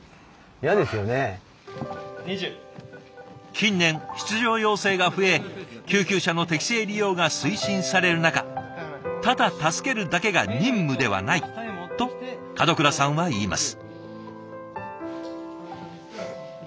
近年出場要請が増え救急車の適正利用が推進される中ただ助けるだけが任務ではないと門倉さんは言います。